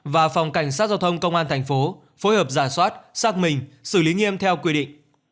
và phòng cảnh sát giao thông công an thành phố phối hợp giả soát xác minh xử lý nghiêm theo quy định